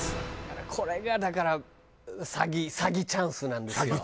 これがだから詐欺チャンスなんですよ。